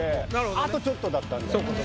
あとちょっとだったんで。